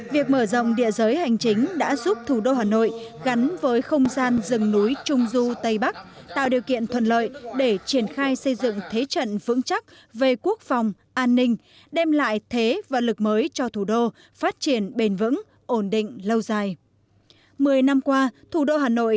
việc mở rộng địa giới hành chính đã giúp thủ đô hà nội gắn với không gian rừng núi trung du tây bắc tạo điều kiện thuận lợi để triển khai xây dựng thế trận vững chắc về quốc phòng an ninh đem lại thế và lực mới cho thủ đô phát triển bền vững ổn định lâu dài